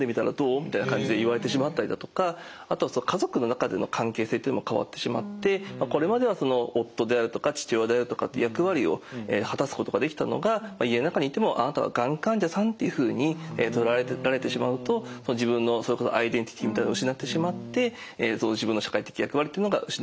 みたいな感じで言われてしまったりだとかあとは家族の中での関係性っていうのも変わってしまってこれまでは夫であるとか父親であるとかっていう役割を果たすことができたのが家の中にいても「あなたはがん患者さん」っていうふうに捉えられてしまうと自分のそれこそアイデンティティーみたいなのを失ってしまって自分の社会的役割っていうのが失われていく。